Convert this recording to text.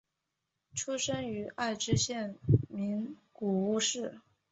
出生于爱知县名古屋市。